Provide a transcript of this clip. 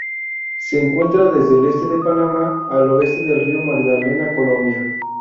Se encuentran desde el este de Panamá al oeste del Río Magdalena, Colombia.